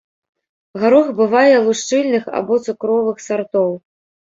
Гарох бывае лушчыльных або цукровых сартоў.